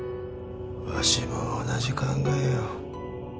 わしも同じ考えよ。